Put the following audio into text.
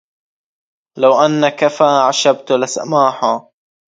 لو أن كفا أعشبت لسماحة